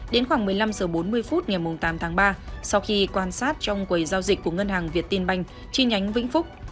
đến khoảng một mươi năm h bốn mươi phút ngày tám tháng ba sau khi quan sát trong quầy giao dịch của ngân hàng việt tiên banh chi nhánh vĩnh phúc